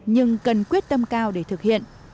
nhưng cần quyết tâm cao để thực hiện